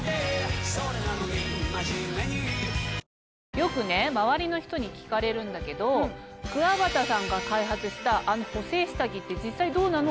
よく周りの人に聞かれるんだけど「くわばたさんが開発したあの補整下着って実際どうなの？」